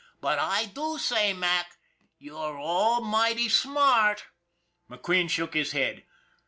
But I do say, Mac, you're almighty smart." McQueen shook his head.